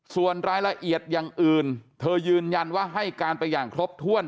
ส่วนรายละเอียดอย่างอื่นเธอยืนยันว่าให้การไปอย่างครบถ้วน